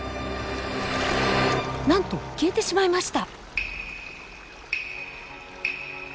なんと消えてしまいました。